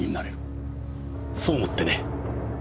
そう思ってね。